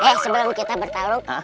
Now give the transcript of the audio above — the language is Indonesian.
eh sebelum kita bertarung